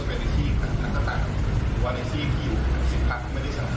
หรือว่าในสีคอยู่สิบพักไม่ได้ชัดทุน